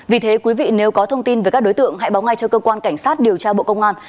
vì thế quý vị nếu có thông tin về các đối tượng hãy báo ngay cho cơ quan cảnh sát điều tra bộ công an